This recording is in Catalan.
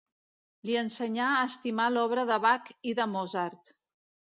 Li ensenyà a estimar l'obra de Bach i de Mozart.